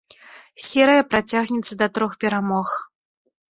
Серыя працягнецца да трох перамог.